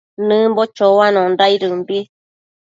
Nëmbo choanondaidëmbi